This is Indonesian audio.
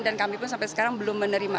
dan kami pun sampai sekarang belum menerima